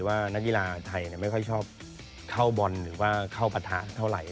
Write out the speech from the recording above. ว่านักกีฬาไทยไม่ค่อยชอบเข้าบอลหรือว่าเข้าปะทะเท่าไหร่